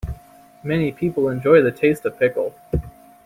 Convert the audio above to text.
Many people enjoy the taste of pickle.